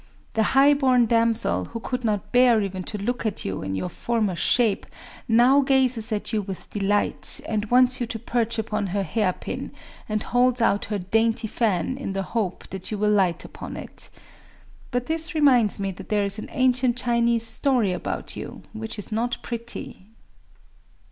The high born damsel, who could not bear even to look at you in your former shape, now gazes at you with delight, and wants you to perch upon her hairpin, and holds out her dainty fan in the hope that you will light upon it. But this reminds me that there is an ancient Chinese story about you, which is not pretty.